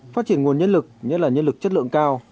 phát triển nguồn nhân lực nhất là nhân lực chất lượng cao